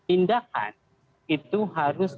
tindakan itu harus